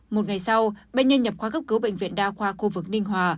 một ngày sau bệnh nhân nhập khoa gấp cứu bệnh viện đa khoa khu vực ninh hòa